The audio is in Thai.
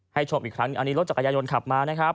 ชมอีกครั้งอันนี้รถจักรยายนขับมานะครับ